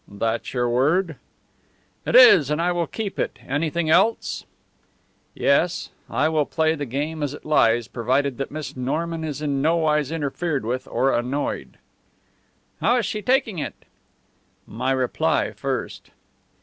"That's your word?" "It is and I will keep it. Anything else?" "Yes. I will play the game as it lies, provided that Miss Norman is in nowise interfered with or annoyed." "How is she taking it?" "My reply first."